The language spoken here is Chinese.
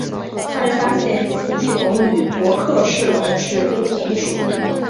他们发现奇异龙与帕克氏龙是不同的属。